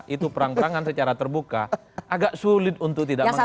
itu perang perangan secara terbuka agak sulit untuk tidak mengatakan